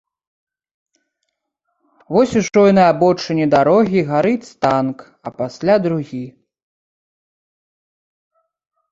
Вось ужо і на абочыне дарогі гарыць танк, а пасля другі.